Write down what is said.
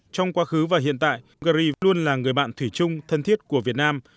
trong quá khứ và hiện tại gari luôn là người bạn thủy chung thân thiết của việt nam